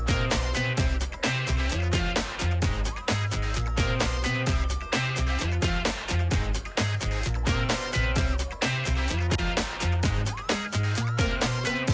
โอ้โฮโอ้โฮโอ้โฮโอ้โฮ